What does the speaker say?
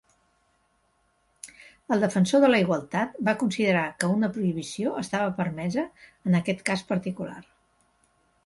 El Defensor de la Igualtat va considerar que una prohibició estava permesa en aquest cas particular.